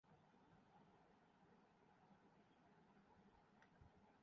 کیا اسے معلوم ہے کہ ارتقا روایت کو قبول کرتا ہے۔